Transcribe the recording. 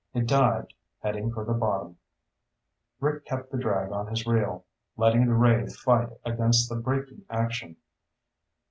It dived, heading for the bottom. Rick kept the drag on his reel, letting the ray fight against the braking action.